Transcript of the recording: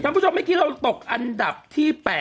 ท่านผู้ชมไม่คิดว่าเราตกอันดับที่๘